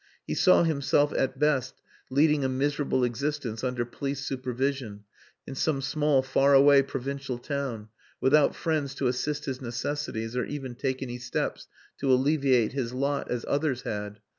He saw himself at best leading a miserable existence under police supervision, in some small, faraway provincial town, without friends to assist his necessities or even take any steps to alleviate his lot as others had.